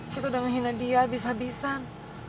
kita udah menghina dia habis habisan